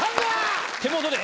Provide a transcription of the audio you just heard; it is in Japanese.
手元で。